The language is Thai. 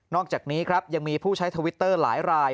อกจากนี้ครับยังมีผู้ใช้ทวิตเตอร์หลายราย